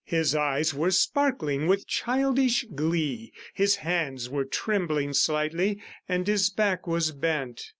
His eyes were sparkling with childish glee; his hands were trembling slightly, and his back was bent.